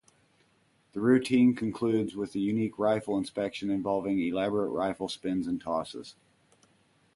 The routine concludes with a unique rifle inspection involving elaborate rifle spins and tosses.